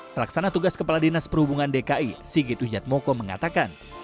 pelaksana tugas kepala dinas perhubungan dki sigit ujatmoko mengatakan